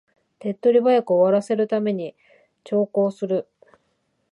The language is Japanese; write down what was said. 手っ取り早く終わらせるために長考する